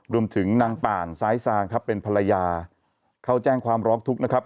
รวมถึงนางป่านซ้ายซางครับเป็นภรรยาเขาแจ้งความร้องทุกข์นะครับ